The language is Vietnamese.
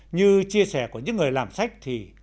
như chia sẻ của những người làm sách thì